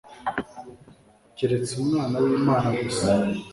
keretsUmwana wlmana gusa